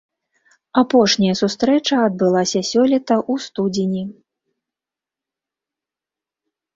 Апошняя сустрэча адбылася сёлета ў студзені.